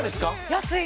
安い！